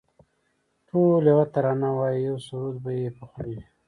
ټول یوه ترانه وایی یو سرود به یې په خوله وي